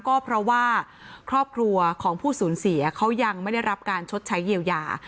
ก็เพราะว่าครอบครัวของผู้สูญเสียเขายังไม่ได้รับการชดใช้เยียวยา